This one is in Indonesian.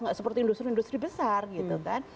nggak seperti industri industri besar gitu kan